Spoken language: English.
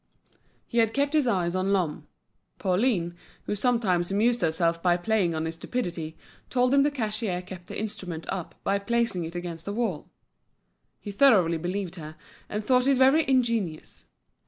He had kept his eyes on Lhomme. Pauline, who sometimes amused herself by playing on his stupidity, told him the cashier kept the instrument up by placing it against a wall. He thoroughly believed her, and thought it very ingenious.